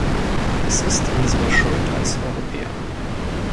Es ist unsere Schuld als Europäer.